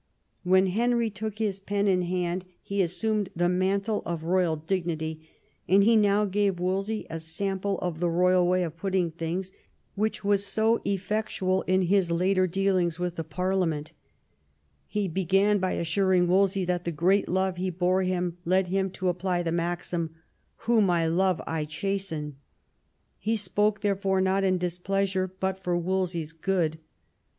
When Henry took his pen in hand he assumed the mantle of royal dignity, and he now gave Wolsey a sample of the royal way of putting things which was so effectual in his later dealings with his Parliament He began by assuring Wolsey that the grdat love he bore him led him to apply the maxim, "Whom I love I chasten ;" he spoke therefore not in displeasure but for Wolsey's good.